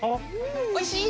おいしい？